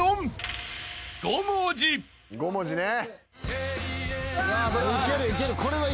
５文字ね。